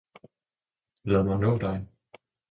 »Lad mig naae Dig!